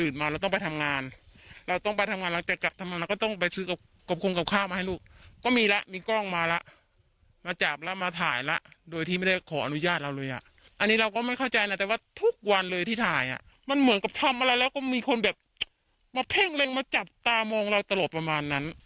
การเป้นร้อยอ่ะที่มีคนแบบมาเภ่งเล็งมาจับตามองเราตลอดประมาณนั้น